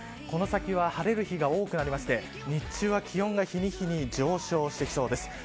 この先は晴れる日が多くなって日中は気温が日に日に上昇してきそうです。